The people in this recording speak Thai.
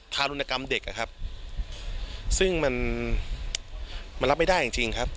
ทารุณกรรมเด็กอะครับซึ่งมันมันรับไม่ได้จริงจริงครับ